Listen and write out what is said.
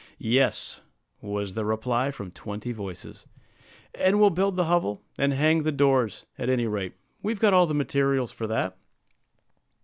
"Yes," was the reply from twenty voices; "and we'll build the hovel and hang the doors, at any rate; we've got all the materials for that."